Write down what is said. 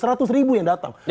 seratus ribu yang datang